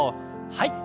はい。